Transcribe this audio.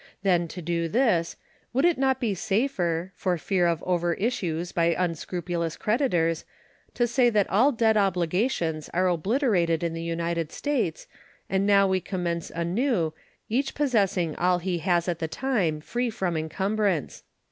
Than to do this, would it not be safer, for fear of overissues by unscrupulous creditors, to say that all debt obligations are obliterated in the United States, and now we commence anew, each possessing all he has at the time free from incumbrance?